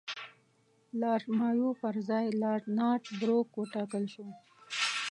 لارډ مایو پر ځای لارډ نارت بروک وټاکل شو.